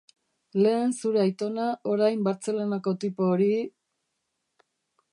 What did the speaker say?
Lehen zure aitona, orain Bartzelonako tipo hori...